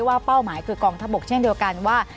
เป้าหมายคือกองทัพบกเช่นเดียวกันว่า